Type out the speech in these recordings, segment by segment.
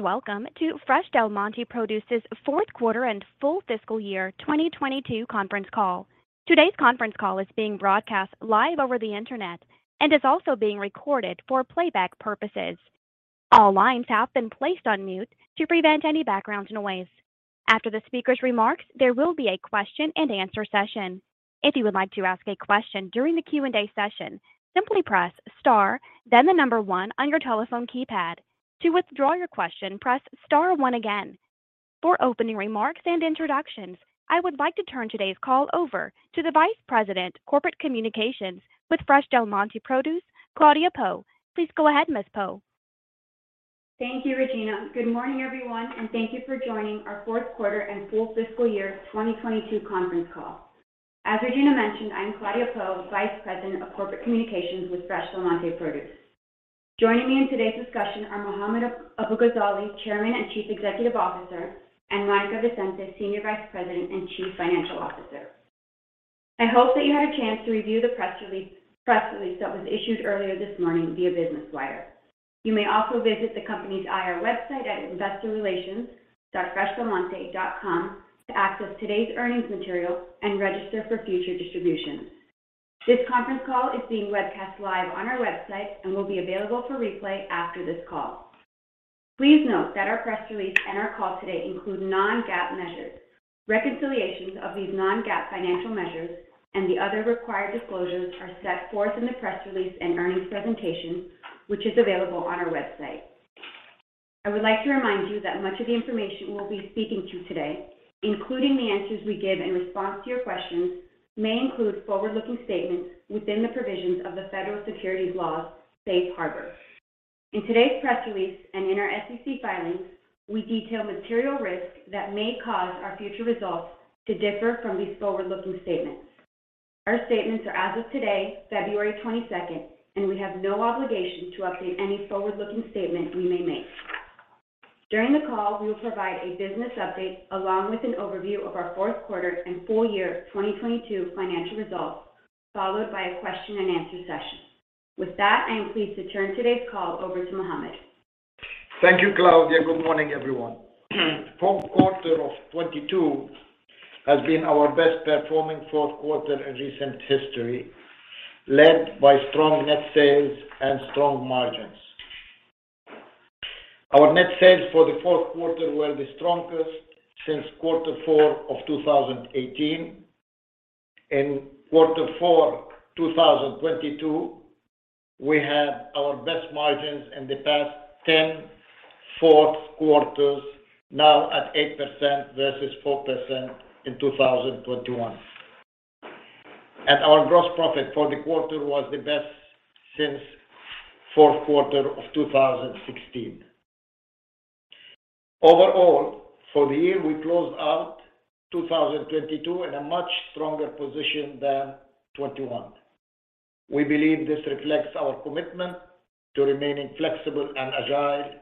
Welcome to Fresh Del Monte Produce's Q4 and Full Fiscal Year 2022 Conference Call. Today's conference call is being broadcast live over the Internet and is also being recorded for playback purposes. All lines have been placed on mute to prevent any background noise. After the speaker's remarks, there will be a question-and-answer session. If you would like to ask a question during the Q&A session, simply press star then one on your telephone keypad. To withdraw your question, press star one again. For opening remarks and introductions, I would like to turn today's call over to the Vice President, Corporate Communications with Fresh Del Monte Produce, Claudia Pou. Please go ahead, Ms. Pou. Thank you, Regina. Good morning, everyone, and thank you for joining our Q4 and Full Fiscal Year 2022 Conference Call. As Regina mentioned, I'm Claudia Pou, Vice President, Corporate Communications with Fresh Del Monte Produce. Joining me in today's discussion are Mohammad Abu-Ghazaleh, Chairman and Chief Executive Officer, and Monica Vicente, Senior Vice President and Chief Financial Officer. I hope that you had a chance to review the press release that was issued earlier this morning via Business Wire. You may also visit the company's IR website at investorrelations.freshdelmonte.com to access today's earnings material and register for future distributions. This conference call is being webcast live on our website and will be available for replay after this call. Please note that our press release and our call today include non-GAAP measures. Reconciliations of these non-GAAP financial measures and the other required disclosures are set forth in the press release and earnings presentation, which is available on our website. I would like to remind you that much of the information we'll be speaking to today, including the answers we give in response to your questions, may include forward-looking statements within the provisions of the federal securities laws safe harbor. In today's press release and in our SEC filings, we detail material risks that may cause our future results to differ from these forward-looking statements. Our statements are as of today, February 22nd. We have no obligation to update any forward-looking statement we may make. During the call, we will provide a business update along with an overview of our Q4 and full year 2022 financial results, followed by a question-and-answer session. With that, I am pleased to turn today's call over to Mohammad. Thank you, Claudia. Good morning, everyone. Q4 of 2022 has been our best performing Q4 in recent history, led by strong net sales and strong margins. Our net sales for the Q4 were the strongest since Q4 of 2018. In Q4 2022, we had our best margins in the past ten Q4s, now at 8% versus 4% in 2021. Our gross profit for the quarter was the best since Q4 of 2016. Overall, for the year, we closed out 2022 in a much stronger position than 2021. We believe this reflects our commitment to remaining flexible and agile,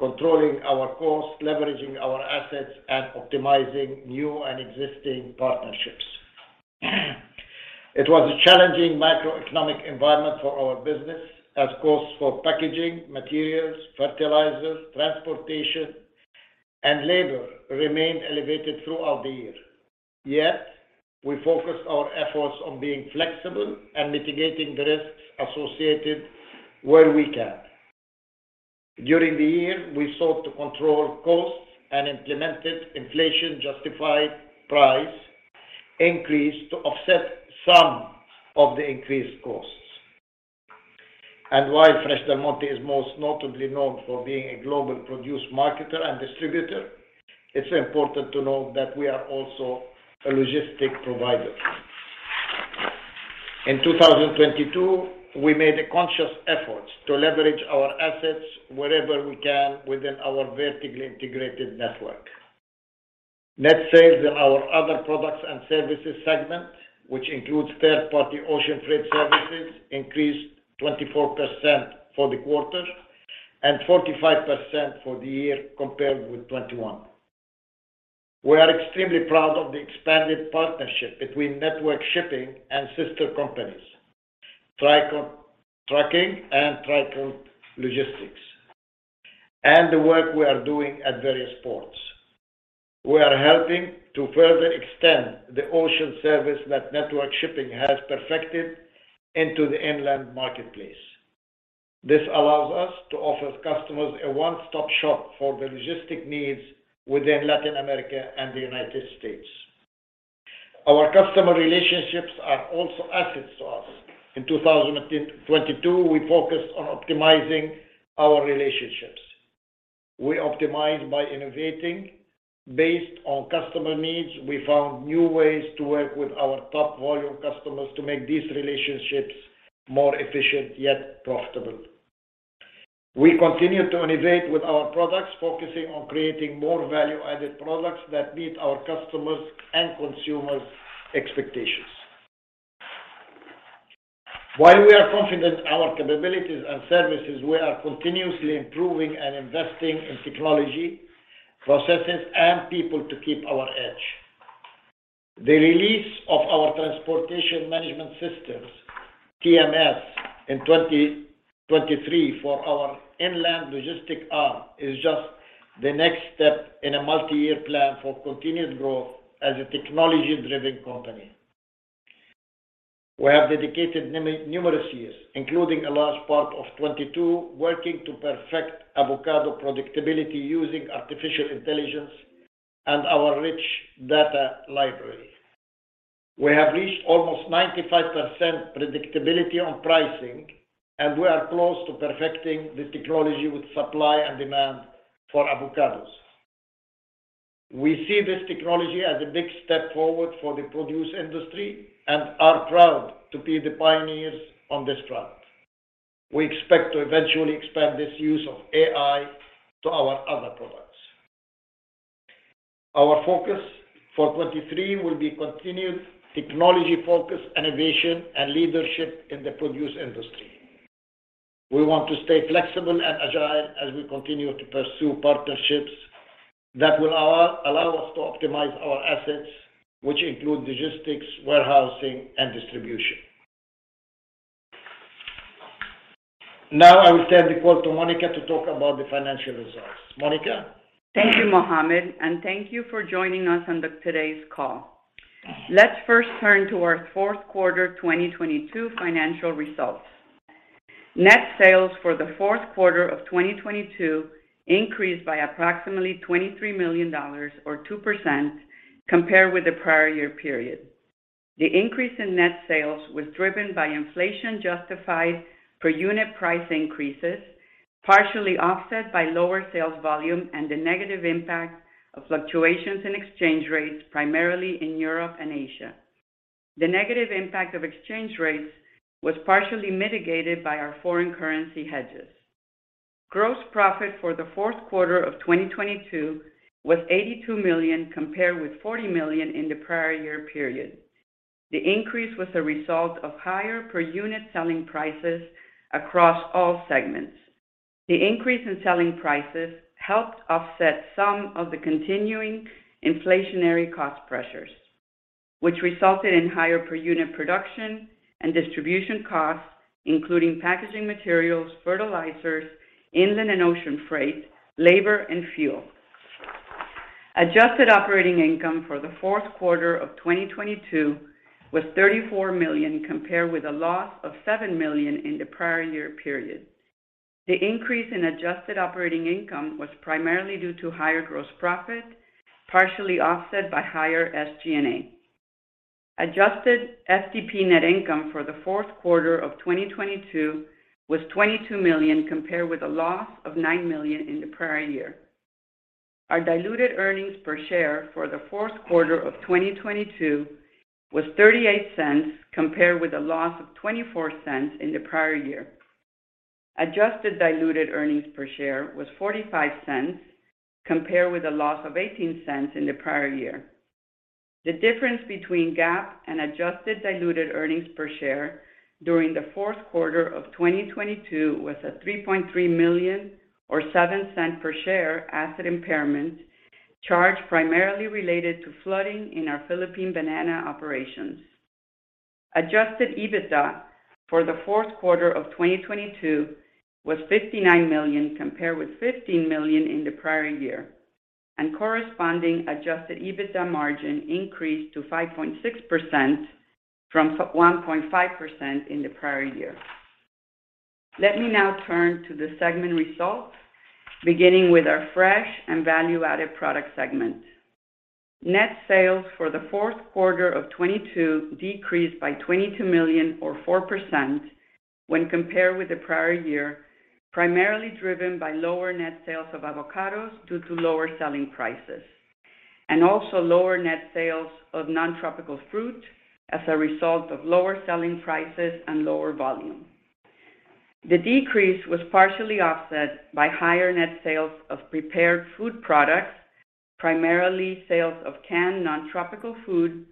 controlling our costs, leveraging our assets, and optimizing new and existing partnerships. It was a challenging macroeconomic environment for our business as costs for packaging, materials, fertilizers, transportation, and labor remained elevated throughout the year. We focused our efforts on being flexible and mitigating the risks associated where we can. During the year, we sought to control costs and implemented inflation-justified price increase to offset some of the increased costs. While Fresh Del Monte is most notably known for being a global produce marketer and distributor, it's important to note that we are also a logistics provider. In 2022, we made a conscious effort to leverage our assets wherever we can within our vertically integrated network. Net sales in our Other Products and Services segment, which includes third-party ocean freight services, increased 24% for the quarter and 45% for the year compared with 2021. We are extremely proud of the expanded partnership between Network Shipping and sister companies, Tricont Trucking and Tricont Logistics, and the work we are doing at various ports. We are helping to further extend the ocean service that Network Shipping has perfected into the inland marketplace. This allows us to offer customers a one-stop shop for their logistics needs within Latin America and the United States. Our customer relationships are also assets to us. In 2022, we focused on optimizing our relationships. We optimized by innovating based on customer needs. We found new ways to work with our top volume customers to make these relationships more efficient yet profitable. We continue to innovate with our products, focusing on creating more value-added products that meet our customers' and consumers' expectations. While we are confident in our capabilities and services, we are continuously improving and investing in technology, processes, and people to keep our edge. The release of our Transportation Management Systems, TMS, in 2023 for our inland logistic arm is just the next step in a multi-year plan for continued growth as a technology-driven company. We have dedicated numerous years, including a large part of 2022 working to perfect avocado predictability using artificial intelligence and our rich data library. We have reached almost 95% predictability on pricing, and we are close to perfecting the technology with supply and demand for avocados. We see this technology as a big step forward for the produce industry and are proud to be the pioneers on this front. We expect to eventually expand this use of AI to our other products. Our focus for 2023 will be continued technology focus, innovation and leadership in the produce industry. We want to stay flexible and agile as we continue to pursue partnerships that will allow us to optimize our assets, which include logistics, warehousing and distribution. Now I will turn the call to Monica to talk about the financial results. Monica. Thank you, Mohammad. Thank you for joining us on the today's call. Let's first turn to our Q4 2022 financial results. Net sales for the Q4 of 2022 increased by approximately $23 million or 2% compared with the prior year period. The increase in net sales was driven by inflation justified per unit price increases, partially offset by lower sales volume and the negative impact of fluctuations in exchange rates, primarily in Europe and Asia. The negative impact of exchange rates was partially mitigated by our foreign currency hedges. Gross profit for the Q4 of 2022 was $82 million, compared with $40 million in the prior year period. The increase was a result of higher per unit selling prices across all segments. The increase in selling prices helped offset some of the continuing inflationary cost pressures, which resulted in higher per unit production and distribution costs, including packaging materials, fertilizers, inland and ocean freight, labor and fuel. Adjusted operating income for the Q4 of 2022 was $34 million, compared with a loss of $7 million in the prior year period. The increase in adjusted operating income was primarily due to higher gross profit, partially offset by higher SG&A. Adjusted FDP net income for the Q4 of 2022 was $22 million, compared with a loss of $9 million in the prior year. Our diluted earnings per share for the Q4 of 2022 was $0.38, compared with a loss of $0.24 in the prior year. Adjusted diluted earnings per share was $0.45, compared with a loss of $0.18 in the prior year. The difference between GAAP and Adjusted diluted earnings per share during the Q4 of 2022 was a $3.3 million or $0.07 per share asset impairment charge primarily related to flooding in our Philippine Banana operations. Adjusted EBITDA for the Q4 of 2022 was $59 million, compared with $15 million in the prior year, and corresponding Adjusted EBITDA margin increased to 5.6% from 1.5% in the prior year. Let me now turn to the segment results, beginning with our Fresh and Value-Added Products segment. Net sales for the Q4 of 2022 decreased by $22 million or 4% when compared with the prior year, primarily driven by lower net sales of avocados due to lower selling prices, also lower net sales of non-tropical fruit as a result of lower selling prices and lower volume. The decrease was partially offset by higher net sales of prepared food products, primarily sales of canned non-tropical food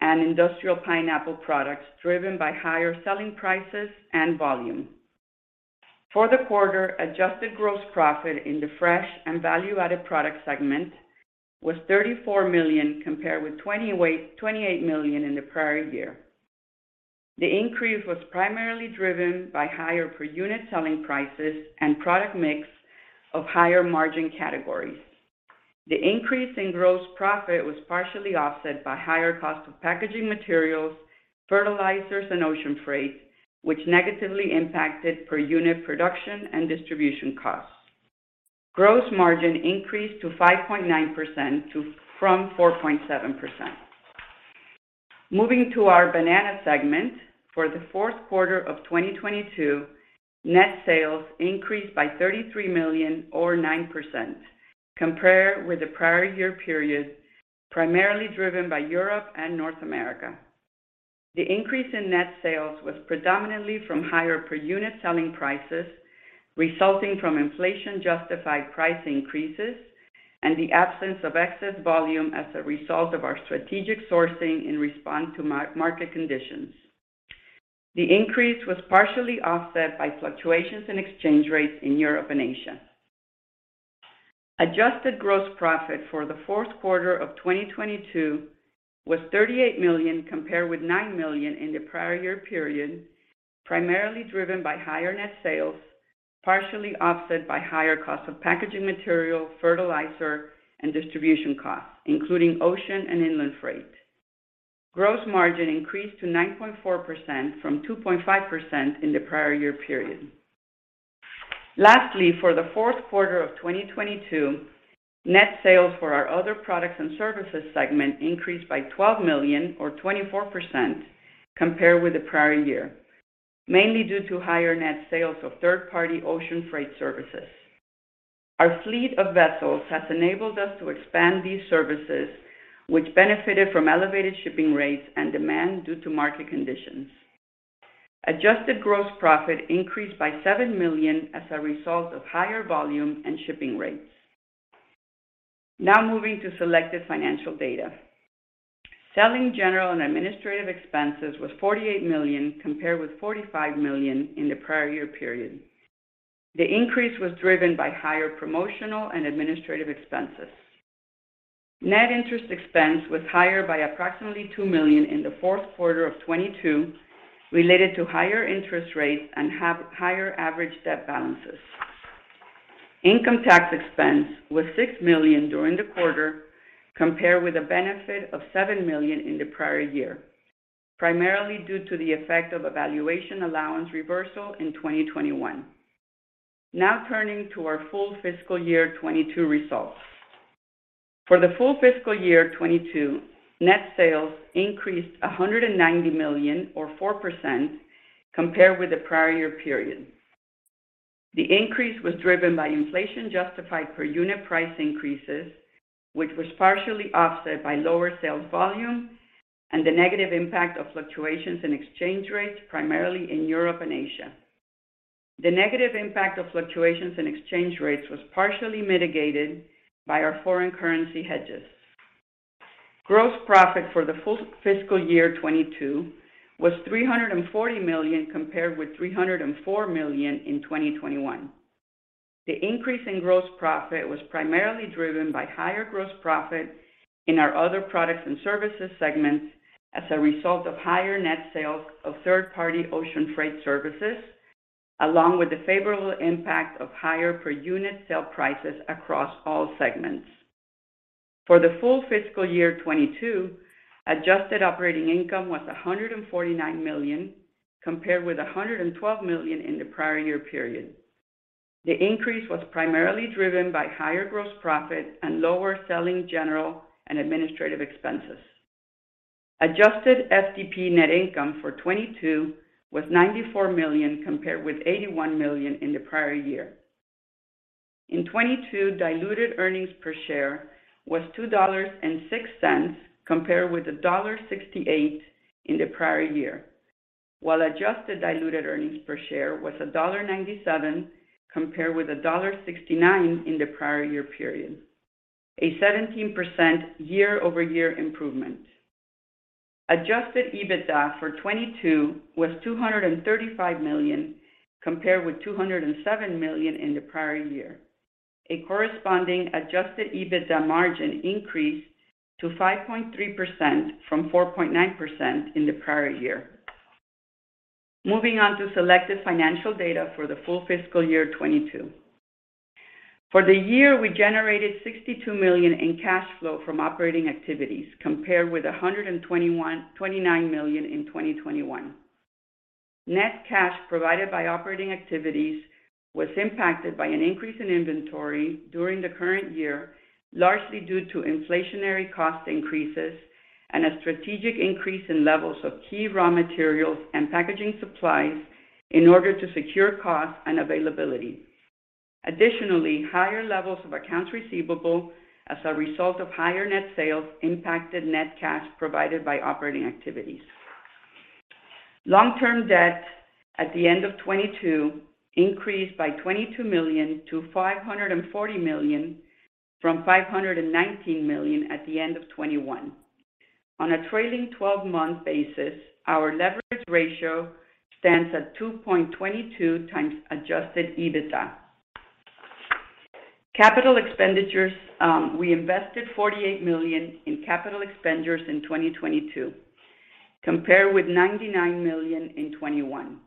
and industrial pineapple products, driven by higher selling prices and volume. For the quarter, adjusted gross profit in the Fresh and Value-Added Products segment was $34 million, compared with $28 million in the prior year. The increase was primarily driven by higher per unit selling prices and product mix of higher margin categories. The increase in gross profit was partially offset by higher cost of packaging materials, fertilizers, and ocean freight, which negatively impacted per unit production and distribution costs. Gross margin increased to 5.9% from 4.7%. Moving to our Banana segment, for the Q4 of 2022, net sales increased by $33 million or 9% compared with the prior year period, primarily driven by Europe and North America. The increase in net sales was predominantly from higher per unit selling prices resulting from inflation justified price increases and the absence of excess volume as a result of our strategic sourcing in response to market conditions. The increase was partially offset by fluctuations in exchange rates in Europe and Asia. Adjusted gross profit for the Q4 of 2022 was $38 million compared with $9 million in the prior year period, primarily driven by higher net sales, partially offset by higher costs of packaging material, fertilizer, and distribution costs, including ocean and inland freight. Gross margin increased to 9.4% from 2.5% in the prior year period. Lastly, for the Q4 of 2022, net sales for our Other Products and Services segment increased by $12 million or 24% compared with the prior year, mainly due to higher net sales of third-party ocean freight services. Our fleet of vessels has enabled us to expand these services, which benefited from elevated shipping rates and demand due to market conditions. Adjusted gross profit increased by $7 million as a result of higher volume and shipping rates. Now moving to selected financial data. Selling, General and Administrative Expenses was $48 million compared with $45 million in the prior year period. The increase was driven by higher promotional and administrative expenses. Net interest expense was higher by approximately $2 million in the Q4 of 2022, related to higher interest rates and have higher average debt balances. Income tax expense was $6 million during the quarter, compared with a benefit of $7 million in the prior year, primarily due to the effect of a valuation allowance reversal in 2021. Turning to our full fiscal year 2022 results. For the full fiscal year 2022, net sales increased $190 million or 4% compared with the prior year period. The increase was driven by inflation-justified per unit price increases, which was partially offset by lower sales volume and the negative impact of fluctuations in exchange rates, primarily in Europe and Asia. The negative impact of fluctuations in exchange rates was partially mitigated by our foreign currency hedges. Gross profit for the full fiscal year 2022 was $340 million compared with $304 million in 2021. The increase in gross profit was primarily driven by higher gross profit in our Other Products and Services segments as a result of higher net sales of third-party ocean freight services, along with the favorable impact of higher per unit sale prices across all segments. For the full fiscal year 2022, Adjusted operating income was $149 million, compared with $112 million in the prior year period. The increase was primarily driven by higher gross profit and lower Selling, General and Administrative expenses. Adjusted FDP net income for 2022 was $94 million compared with $81 million in the prior year.In 2022, diluted earnings per share was $2.06 compared with $1.68 in the prior year. Adjusted diluted earnings per share was $1.97 compared with $1.69 in the prior year period. A 17% year-over-year improvement. Adjusted EBITDA for 2022 was $235 million compared with $207 million in the prior year. A corresponding Adjusted EBITDA margin increased to 5.3% from 4.9% in the prior year. Moving on to selected financial data for the full fiscal year 2022. For the year, we generated $62 million in cash flow from operating activities compared with $129 million in 2021. Net cash provided by operating activities was impacted by an increase in inventory during the current year, largely due to inflationary cost increases and a strategic increase in levels of key raw materials and packaging supplies in order to secure cost and availability. Higher levels of accounts receivable as a result of higher net sales impacted net cash provided by operating activities. Long-term debt at the end of 2022 increased by $22 million to $540 million from $519 million at the end of 2021. On a trailing 12-month basis, our leverage ratio stands at 2.22 times Adjusted EBITDA. Capital expenditures, we invested $48 million in capital expenditures in 2022 compared with $99 million in 2021.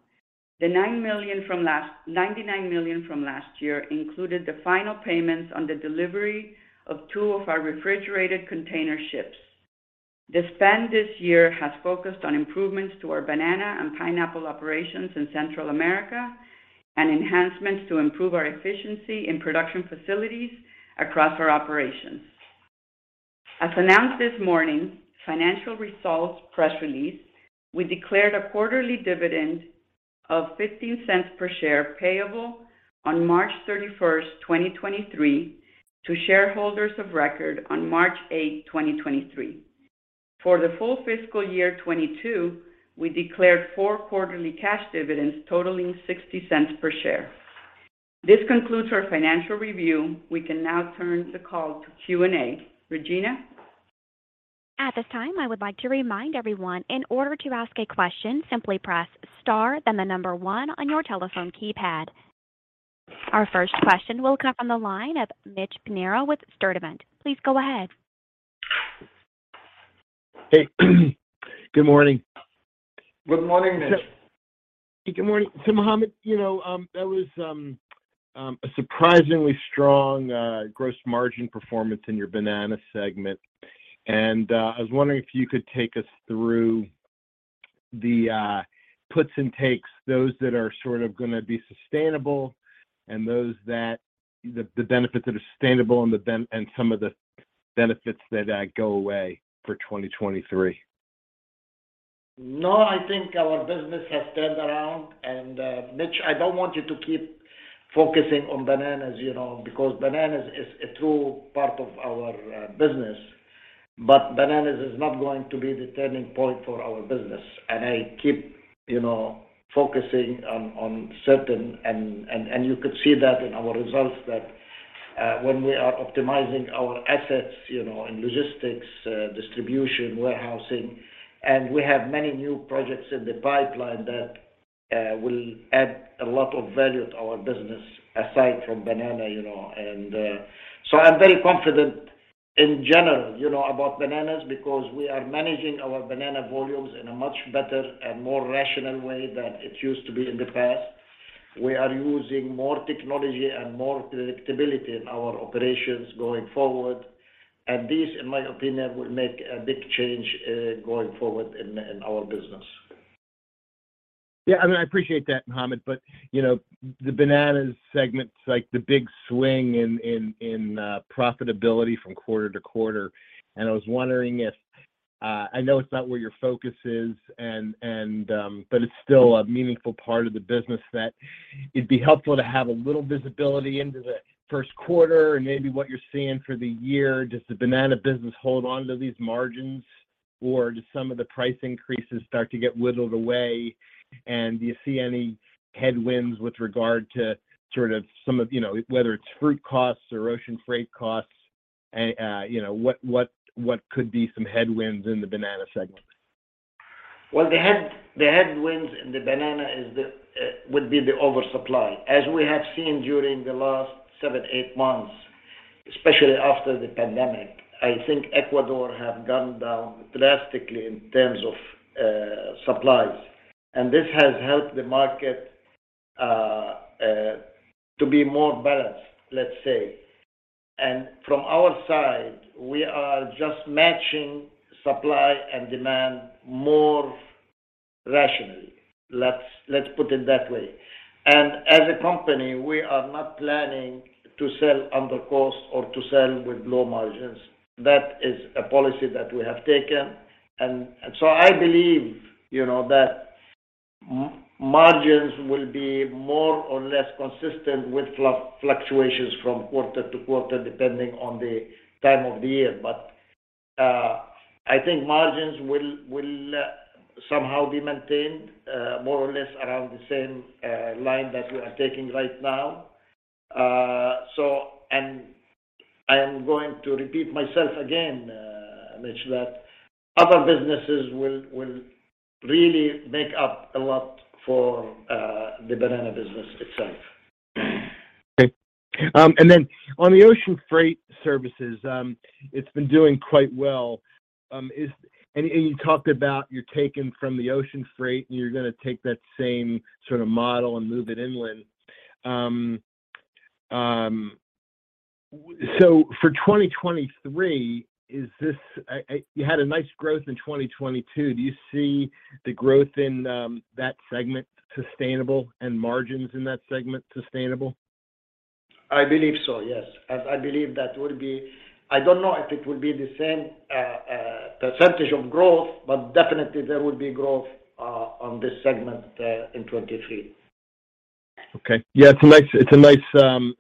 The $99 million from last year included the final payments on the delivery of two of our refrigerated container ships. The spend this year has focused on improvements to our Banana and pineapple operations in Central America and enhancements to improve our efficiency in production facilities across our operations. As announced this morning, financial results press release, we declared a quarterly dividend of $0.15 per share payable on March 31, 2023 to shareholders of record on March 8, 2023. For the full fiscal year 2022, we declared four quarterly cash dividends totaling $0.60 per share. This concludes our financial review. We can now turn the call to Q&A. Regina? At this time, I would like to remind everyone, in order to ask a question, simply press star then the number one on your telephone keypad. Our first question will come from the line of Mitch Pinheiro with Sturdivant. Please go ahead. Hey. Good morning. Good morning, Mitch. Good morning. Mohammad, you know, that was a surprisingly strong gross margin performance in your Banana segment. I was wondering if you could take us through the puts and takes, those that are sort of gonna be sustainable and those that the benefits that are sustainable and some of the benefits that go away for 2023. No, I think our business has turned around. Mitch, I don't want you to keep focusing on bananas, you know, because bananas is a true part of our business. Bananas is not going to be the turning point for our business. I keep, you know, focusing on certain. You could see that in our results that when we are optimizing our assets, you know, in logistics, distribution, warehousing, and we have many new projects in the pipeline that will add a lot of value to our business aside from banana, you know. I'm very confident in general, you know, about bananas because we are managing our banana volumes in a much better and more rational way than it used to be in the past. We are using more technology and more predictability in our operations going forward. This, in my opinion, will make a big change, going forward in our business. Yeah. I mean, I appreciate that, Mohammed. You know, the Banana segment is like the big swing in profitability from quarter to quarter. I was wondering if I know it's not where your focus is and it's still a meaningful part of the business that it'd be helpful to have a little visibility into the Q1 and maybe what you're seeing for the year. Does the Banana business hold on to these margins or do some of the price increases start to get whittled away? Do you see any headwinds with regard to sort of some of, you know, whether it's fruit costs or ocean freight costs? You know, what could be some headwinds in the Banana segment? Well, the headwinds in the banana is the would be the oversupply. As we have seen during the last seven, eight months, especially after the pandemic, I think Ecuador have gone down drastically in terms of supplies. This has helped the market to be more balanced, let's say. From our side, we are just matching supply and demand more rationally. Let's put it that way. As a company, we are not planning to sell under cost or to sell with low margins. That is a policy that we have taken. I believe, you know, that margins will be more or less consistent with fluctuations from quarter to quarter, depending on the time of the year. I think margins will somehow be maintained, more or less around the same line that we are taking right now. I am going to repeat myself again, Mitch, that other businesses will really make up a lot for the Banana business itself. Okay. On the ocean freight services, it's been doing quite well. You talked about you're taking from the ocean freight, and you're gonna take that same sort of model and move it inland. For 2023, you had a nice growth in 2022. Do you see the growth in that segment sustainable and margins in that segment sustainable? I believe so, yes. As I believe I don't know if it will be the same percentage of growth, but definitely there will be growth on this segment in 2023. Yeah, it's a nice,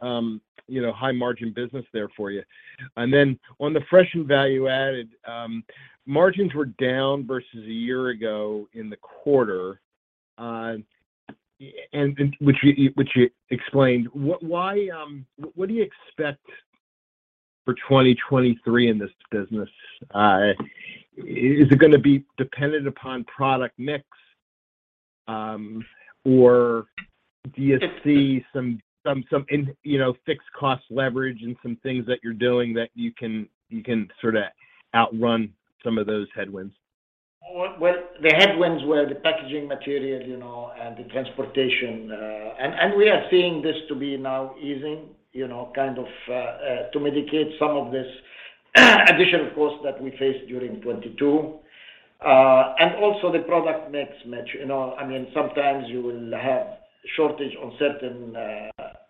you know, high margin business there for you. On the Fresh and Value-Added, margins were down versus a year ago in the quarter, and which you explained. What do you expect for 2023 in this business? Is it gonna be dependent upon product mix, or do you see some in, you know, fixed cost leverage and some things that you're doing that you can sort of outrun some of those headwinds? Well, the headwinds were the packaging material, you know, and the transportation. We are seeing this to be now easing, you know, kind of, to mitigate some of this additional costs that we faced during 2022. Also the product mix, Mitch. You know, I mean, sometimes you will have shortage on certain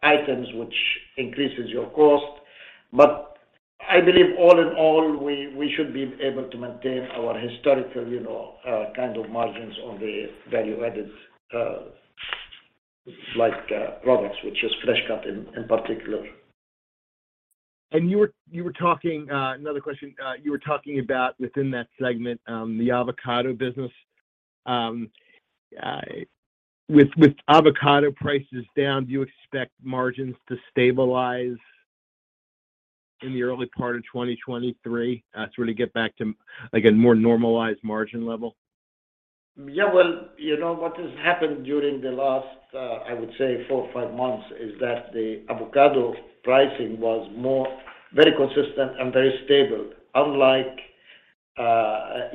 items which increases your cost. I believe all in all, we should be able to maintain our historical, you know, kind of margins on the value added, like, products, which is fresh cut in particular. You were talking, another question. You were talking about within that segment, the avocado business. With avocado prices down, do you expect margins to stabilize in the early part of 2023? To really get back to, again, more normalized margin level. Well, you know, what has happened during the last, I would say four or five months, is that the avocado pricing was more very consistent and very stable. Unlike,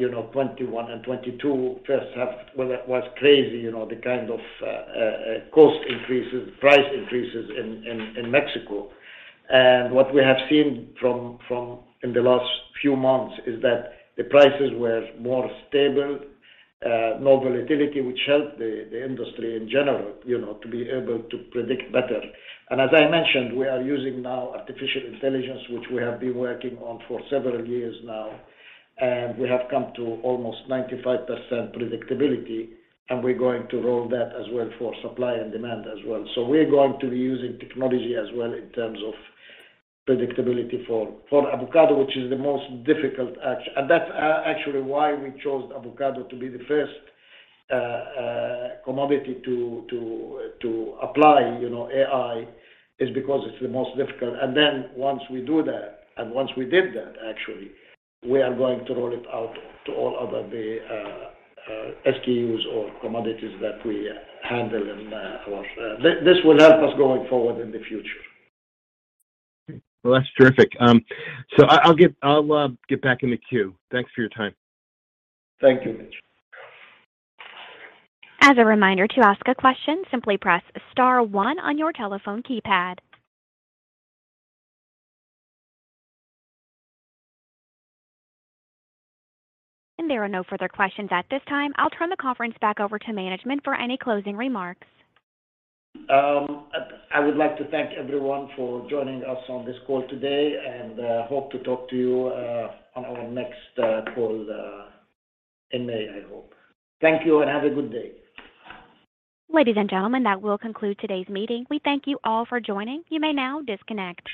you know, 2021 and 2022 first half where that was crazy. You know, the kind of cost increases, price increases in Mexico. What we have seen from in the last few months is that the prices were more stable, no volatility, which helped the industry in general, you know, to be able to predict better. As I mentioned, we are using now artificial intelligence, which we have been working on for several years now. We have come to almost 95% predictability, and we're going to roll that as well for supply and demand as well. We're going to be using technology as well in terms of predictability for avocado, which is the most difficult act. That's actually why we chose avocado to be the first commodity to apply, you know, AI, is because it's the most difficult. Once we do that, and once we did that, actually, we are going to roll it out to all other the SKUs or commodities that we handle. This will help us going forward in the future. That's terrific. I'll get back in the queue. Thanks for your time. Thank you, Mitch. As a reminder, to ask a question, simply press star one on your telephone keypad. There are no further questions at this time. I'll turn the conference back over to management for any closing remarks. I would like to thank everyone for joining us on this call today, and hope to talk to you on our next call in May, I hope. Thank you, have a good day. Ladies and gentlemen, that will conclude today's meeting. We thank you all for joining. You may now disconnect.